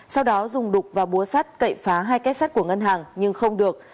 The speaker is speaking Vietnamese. sau đó dùng đục và búa sắt cậy phá hai kết sắt của ngân hàng nhưng không được